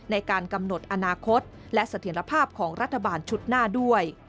ในการกำหนดอนาคตและเสถียรภาพของรัฐบาลชุดหน้าด้วย